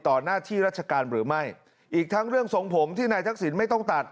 หน้าที่ราชการหรือไม่อีกทั้งเรื่องทรงผมที่นายทักษิณไม่ต้องตัด